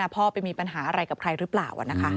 พ่อไปมีปัญหาอะไรกับใครหรือเปล่า